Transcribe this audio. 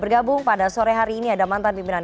bergabung pada sore hari ini ada mantan pimpinan